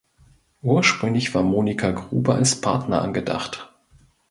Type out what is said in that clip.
Ursprünglich war Monika Gruber als Partner angedacht.